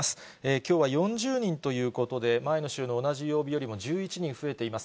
きょうは４０人ということで、前の週の同じ曜日よりも１１人増えています。